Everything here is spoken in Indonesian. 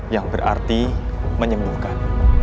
yang berarti menyembuhkan